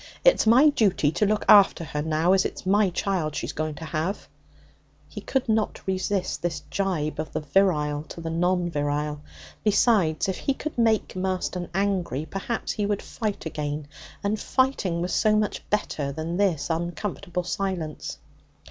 It's my duty to look after her now, as it's my child she's going to have.' He could not resist this jibe of the virile to the non virile. Besides, if he could make Marston angry, perhaps he would fight again, and fighting was so much better than this uncomfortable silence.